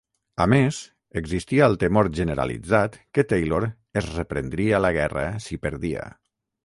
A més, existia el temor generalitzat que Taylor es reprendria la guerra si perdia.